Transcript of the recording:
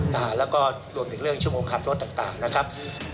แล้วก็รวมถึงเรื่องชั่วโมงขับรถต่างต่างนะครับ